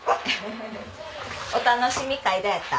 お楽しみ会どうやった？